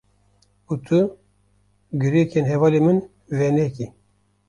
Û tu girêkên hevalên min venekî.